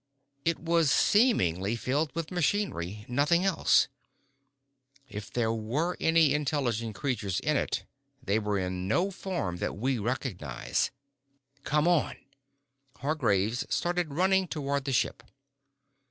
It was seemingly filled with machinery. Nothing else. If there were any intelligent creatures in it, they were in no form that we recognize. Come on!" Hargraves started running toward the ship.